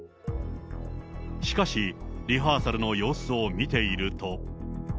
しかし、リハーサルの様子を見ていると。